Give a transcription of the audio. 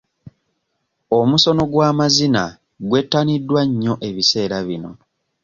Omusono gw'amazina gwettaniddwa nnyo ebiseera bino.